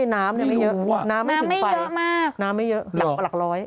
น้ำไม่เยอะมากน้ำไม่เยอะหลักหลักร้อย